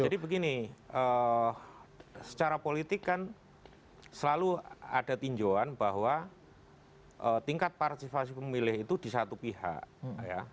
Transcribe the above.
jadi begini secara politik kan selalu ada tinjauan bahwa tingkat partisipasi pemilih itu di satu pihak ya